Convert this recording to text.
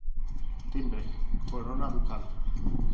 Timbre: Corona Ducal.